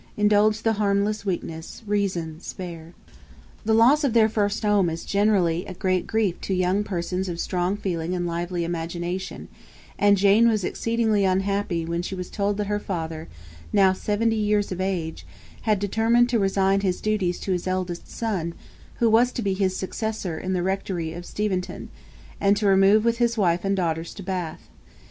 Indulge the harmless weakness. Reason, spare. The loss of their first home is generally a great grief to young persons of strong feeling and lively imagination; and Jane was exceedingly unhappy when she was told that her father, now seventy years of age, had determined to resign his duties to his eldest son, who was to be his successor in the Rectory of Steventon, and to remove with his wife and daughters to Bath.